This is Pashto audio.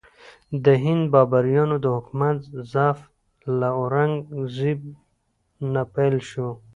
د هند بابریانو د حکومت ضعف له اورنګ زیب نه پیل شو.